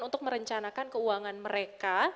untuk merencanakan keuangan mereka